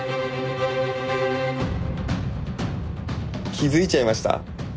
気づいちゃいました？